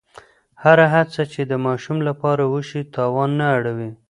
هره هڅه چې د ماشوم لپاره وشي، تاوان نه اړوي.